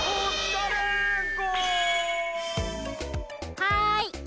はい！